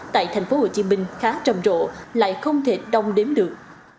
tại tp hcm khá trầm rộ lại không thể đong đếm được